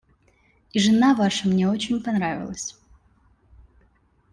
И жена Ваша мне очень понравилась.